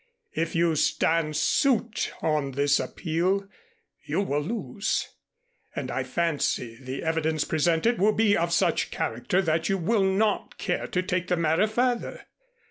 If you stand suit on this appeal you will lose, and I fancy the evidence presented will be of such character that you will not care to take the matter further.